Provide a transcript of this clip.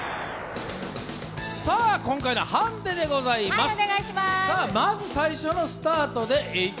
今回のハンデでございます。